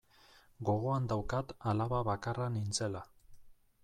Gogoan daukat alaba bakarra nintzela.